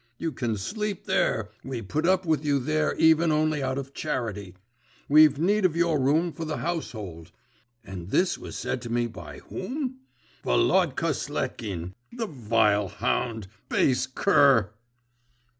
"You can sleep there; we put up with you there even only out of charity; we've need of your room for the household." And this was said to me by whom? Volodka Sletkin! the vile hound, the base cur!